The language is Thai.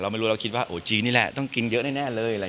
ไม่คิดว่าต้องกินเยอะแน่เลย